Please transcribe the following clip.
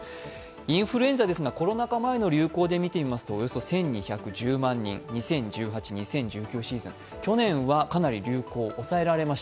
インフルエンザですがコロナ禍前の流行でみてみますとおよそ１２１０万人、２０１８年、２０１９年です。